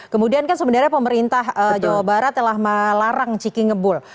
kemudian kan sebenarnya pemerintah jawa barat telah melarang ciki ngebul